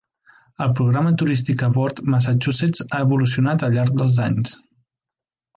El programa turístic a bord "Massachusetts" ha evolucionat al llarg dels anys.